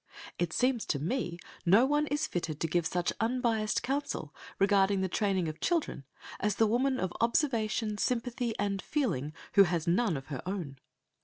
It seems to me no one is fitted to give such unbiased counsel regarding the training of children as the woman of observation, sympathy, and feeling, who has none of her own.